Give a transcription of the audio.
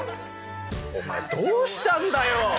お前どうしたんだよ！